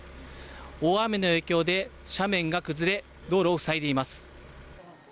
大雨の影響で斜面が崩れ道路を塞いでいます。